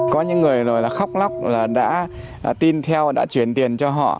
có những người rồi là khóc lóc là đã tin theo đã chuyển tiền cho họ